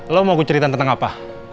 lo mau cerita tentang apa